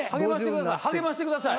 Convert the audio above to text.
励ましてください。